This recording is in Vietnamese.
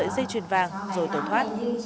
dây chuyền vàng rồi tẩu thoát